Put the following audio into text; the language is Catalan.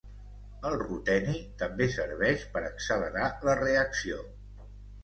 El ruteni també serveix per accelerar la reacció.